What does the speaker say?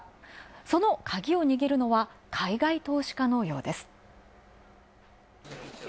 そのカギをにぎるのが海外投資家のようです。